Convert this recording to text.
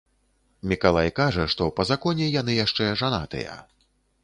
Мікалай кажа, што па законе яны яшчэ жанатыя.